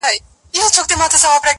يوسف عليه السلام ته زيری ورکول سو.